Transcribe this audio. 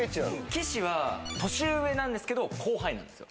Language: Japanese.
岸は年上なんですけど後輩なんですよ。